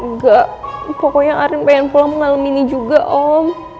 ngga pokoknya arin pengen pulang mengalami ini juga om